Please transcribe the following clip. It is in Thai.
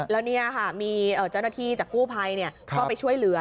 แล้วนี่ค่ะมีเจ้าหน้าที่จากกู้ภัยเข้าไปช่วยเหลือ